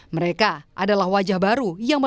ketua umum psi kaisang pangarep